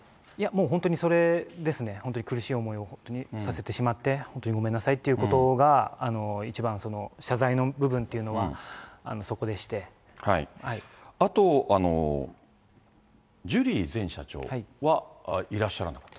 本当にそれですね、本当に苦しい思いを本当にさせてしまって、本当にごめんなさいということが、一番謝罪の部分っていうのは、あと、ジュリー前社長はいらっしゃらなかった？